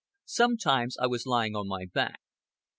Sometimes I was lying on my back.